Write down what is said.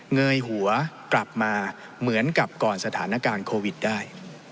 เงยหัวกลับมาเหมือนกับก่อนสถานการณ์โควิดได้